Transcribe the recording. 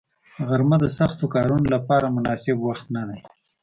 غرمه د سختو کارونو لپاره مناسب وخت نه دی